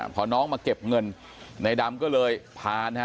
พอน้องมาเก็บเงินในดำก็เลยพานะฮะ